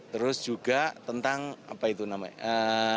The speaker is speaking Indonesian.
terus juga tentang apa itu namanya